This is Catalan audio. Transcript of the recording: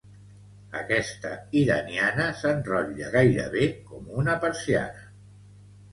Aquesta iraniana s'enrotlla gairebé com una persiana.